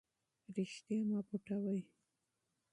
حقیقت مه پټوئ.